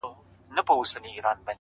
o د پامیر لوري یه د ښکلي اریانا لوري.